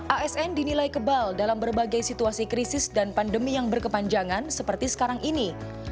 asn dinilai kebal dalam berbagai situasi krisis dan pandemi yang berkepanjangan seperti sekarang ini